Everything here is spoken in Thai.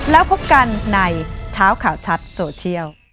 แล้วพบกันในเช้าข่าวชัดโซเทียล